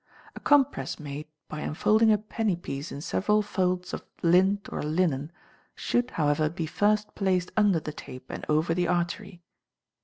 A compress made by enfolding a penny piece in several folds of lint or linen, should, however, be first placed under the tape and over the artery.